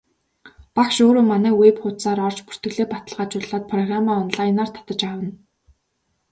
Багш өөрөө манай веб хуудсаар орж бүртгэлээ баталгаажуулаад программаа онлайнаар татаж авна.